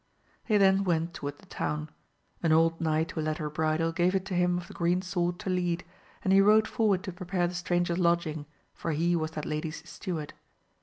They then went toward the town ; an old knight who led her bridle gave it to him of the green sword to lead, and he rode forward to prepare the stranger's lodging, for he was that lady's steward.